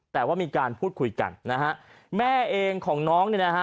แต่ว่ามีการพูดคุยกันนะฮะแม่เองของน้องเนี่ยนะฮะ